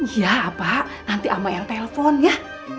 iya pak nanti ama yang telepon ya